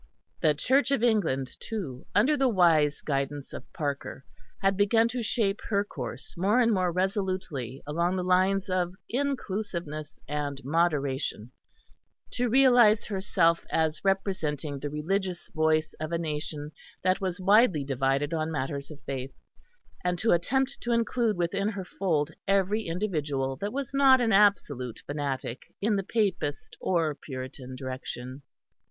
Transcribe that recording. The Church of England, too, under the wise guidance of Parker, had begun to shape her course more and more resolutely along the lines of inclusiveness and moderation; to realise herself as representing the religious voice of a nation that was widely divided on matters of faith; and to attempt to include within her fold every individual that was not an absolute fanatic in the Papist or Puritan direction.